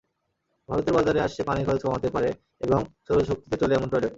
ভারতের বাজারে আসছে পানি খরচ কমাতে পারে এবং সৌরশক্তিতে চলে এমন টয়লেট।